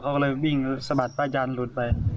เขาก็เลยวิ่งสะบัดพระอาจารย์หลุดไป